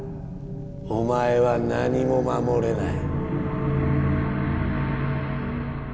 お前は何も守れない。